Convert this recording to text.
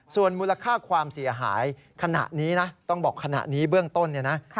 ส่วนมูลค่าความเสียหายขณะนี้นะต้องบอกขณะนี้เบื้องต้นเนี่ยนะ